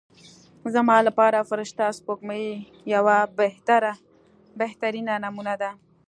زما لپاره فرشته سپوږمۍ یوه بهترینه نمونه ده.